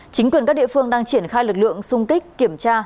chính quyền các địa phương đang triển khai lực lượng sung kích kiểm tra